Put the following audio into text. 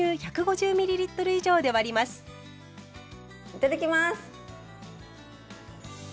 いただきます！